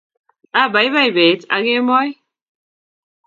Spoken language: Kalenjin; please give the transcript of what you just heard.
Abaibai bet aK Kemoi,